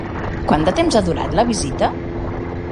Quant de temps ha durat la vista?